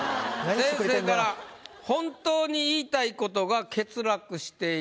先生から「本当に言いたい事が欠落している」という事で。